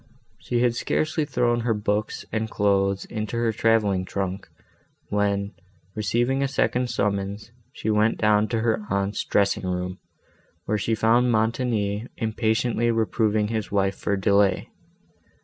She had scarcely thrown her books and clothes into her travelling trunk, when, receiving a second summons, she went down to her aunt's dressing room, where she found Montoni impatiently reproving his wife for delay.